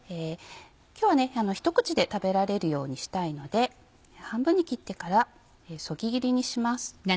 今日は一口で食べられるようにしたいので半分に切ってからそぎ切りにします。